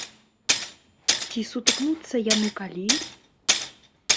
Ці сутыкнуцца яны калі?